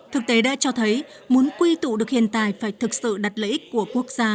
thực tế đã cho thấy muốn quy tụ được hiện tài phải thực sự đặt lợi ích của quốc gia